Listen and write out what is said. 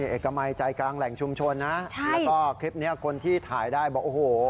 เอกมัยใจกลางแหล่งชุมชนนะแล้วก็คลิปนี้คนที่ถ่ายได้บอกโอ้โห